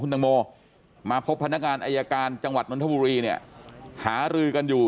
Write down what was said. ตังโมมาพบพนักงานอายการจังหวัดนทบุรีเนี่ยหารือกันอยู่